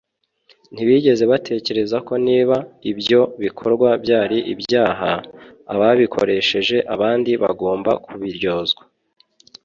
Ntibigeze batekereza ko niba ibyo bikorwa byari ibyaha, ababikoresheje abandi bagomba kubiryozwa